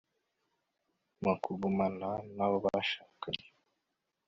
mu kugumana na bo bashakanye